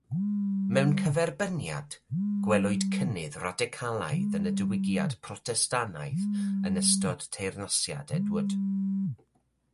Mewn cyferbyniad, gwelwyd cynnydd radicalaidd yn y diwygiad Protestannaidd yn ystod teyrnasiad Edward.